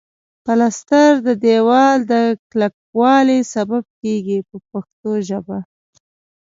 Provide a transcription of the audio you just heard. پلستر د دېوال د کلکوالي سبب کیږي په پښتو ژبه.